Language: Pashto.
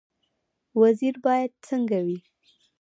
وزیر باید څنګه وي؟